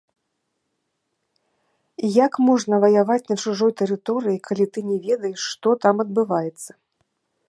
Як можна ваяваць на чужой тэрыторыі, калі ты не ведаеш, што там адбываецца?